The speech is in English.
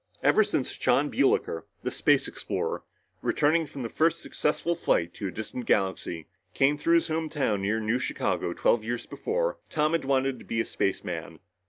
Ever since Jon Builker, the space explorer, returning from the first successful flight to a distant galaxy, came through his home town near New Chicago twelve years before, Tom had wanted to be a spaceman.